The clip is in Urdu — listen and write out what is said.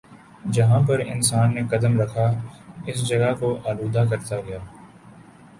جہاں پر انسان نے قدم رکھا اس جگہ کو آلودہ کرتا گیا